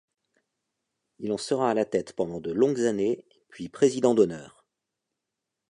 Il en sera à la tête pendant de longues années, puis président d'honneur.